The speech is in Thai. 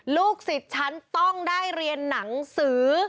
ลูกศิษย์ฉันต้องได้เรียนหนังสือ